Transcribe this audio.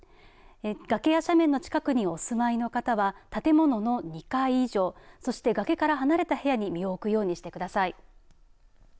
崖や斜面の近くにお住まいの方は建物の２階以上そして崖から離れた部屋に身を置くようにしてください。